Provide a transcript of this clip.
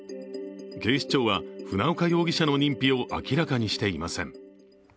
警視庁は船岡容疑者の認否を明らかにしていません。